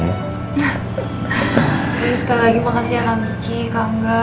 lalu sekali lagi makasih ya kak michi kak ngga